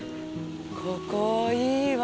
ここはいいわ。